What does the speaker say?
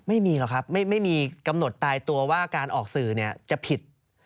ไม่มีหรอกครับไม่มีกำหนดตายตัวว่าการออกสื่อจะผิด